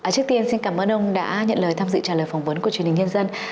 trước tiên xin cảm ơn ông đã nhận lời tham dự trả lời phỏng vấn của truyền hình nhân dân